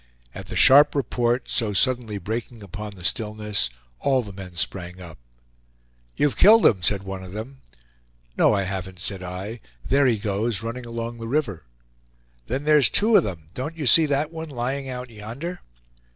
At the sharp report, so suddenly breaking upon the stillness, all the men sprang up. "You've killed him," said one of them. "No, I haven't," said I; "there he goes, running along the river. "Then there's two of them. Don't you see that one lying out yonder?"